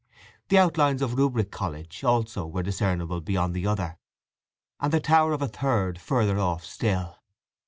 The outlines of Rubric College also were discernible beyond the other, and the tower of a third farther off still.